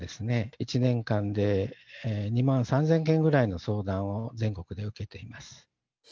１年間で２万３０００件ぐらいの相談を全国で受けています。